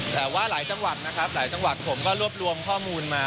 แต่ว่าหลายจังหวัดนะครับหลายจังหวัดผมก็รวบรวมข้อมูลมา